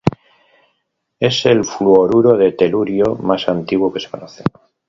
Es el fluoruro de telurio más antiguo que se conoce.